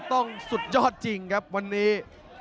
สุดยอดจริงครับวันนี้